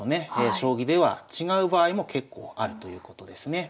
将棋では違う場合も結構あるということですね。